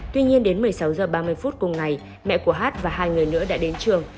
tuy nhiên đến một mươi sáu h ba mươi phút cùng ngày mẹ của hát và hai người nữa đã đến trường